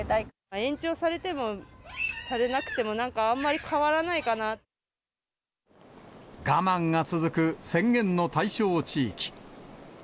延長されてもされなくても、我慢が続く宣言の対象地域。